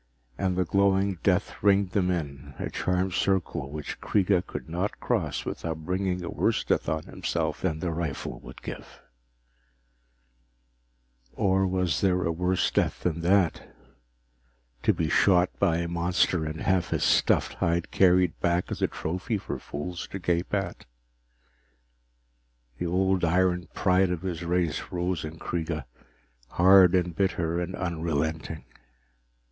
And the glowing death ringed them in, a charmed circle which Kreega could not cross without bringing a worse death on himself than the rifle would give Or was there a worse death than that to be shot by a monster and have his stuffed hide carried back as a trophy for fools to gape at? The old iron pride of his race rose in Kreega, hard and bitter and unrelenting.